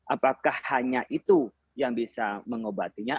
apakah hanya itu yang bisa mengobatinya